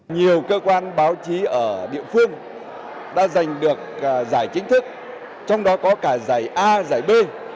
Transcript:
nhiều cơ quan báo chí ở địa phương đã giành được giải chính thức trong đó có cả giải a giải b